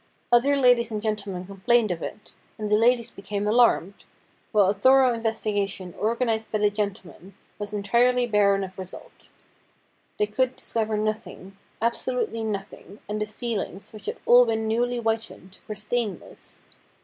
Other ladies and gentle men complained of it, and the ladies became alarmed ; while p2 212 STORIES WEIRD AND WONDERFUL a thorough investigation organised by the gentlemen was entirely barren of result. They could discover nothing, absolutely nothing, and the ceilings, which had all been newly whitened, were stainless.